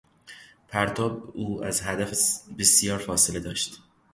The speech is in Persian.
پرتاب او از هدف بسیار فاصله داشت.